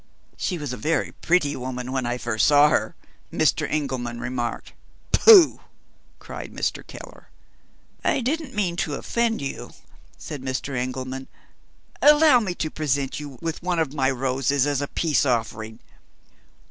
"She was a very pretty woman when I first saw her," Mr. Engelman remarked. "Pooh!" cried Mr. Keller. "I didn't mean to offend you," said Mr. Engelman. "Allow me to present you with one of my roses as a peace offering."